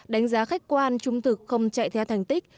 đánh giá khách quan trung thực không chạy theo thành tích